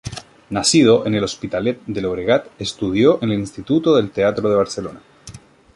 Nacido en Hospitalet de Llobregat, estudió en el Instituto del Teatro de Barcelona.